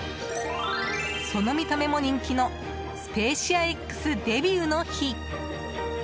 その見た目も人気の「スペーシアＸ」デビューの日。